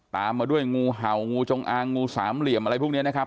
ตามมาด้วยงูเห่างูจงอางงูสามเหลี่ยมอะไรพวกนี้นะครับ